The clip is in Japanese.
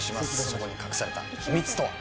そこに隠された秘密とは？